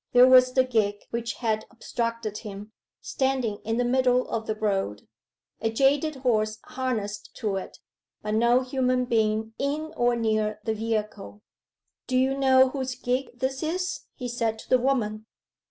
There was the gig which had obstructed him, standing in the middle of the road; a jaded horse harnessed to it, but no human being in or near the vehicle. 'Do you know whose gig this is?' he said to the woman.